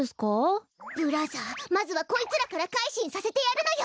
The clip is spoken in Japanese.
ブラザーまずはこいつらからかいしんさせてやるのよ！